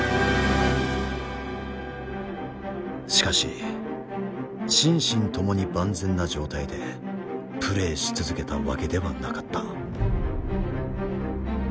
しかし心身ともに万全な状態でプレーし続けたわけではなかった。